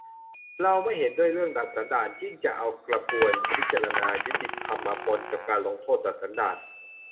เราไม่เห็นด้วยเรื่อง "ดัดสันดาน" ยิ่งจะเอา กระบวนพิจารณายุติธรรม มาปนกับ การลงโทษ "ดัดสันดาน"